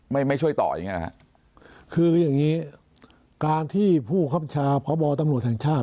ไม่ไม่ช่วยต่ออย่างเงี้นะฮะคืออย่างงี้การที่ผู้คับชาพบตำรวจแห่งชาติ